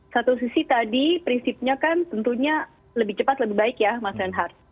satu sisi tadi prinsipnya kan tentunya lebih cepat lebih baik ya mas reinhardt